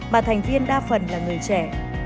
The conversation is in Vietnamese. mà thành viên đa phần là người trẻ